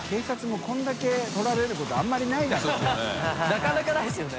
なかなかないですよね。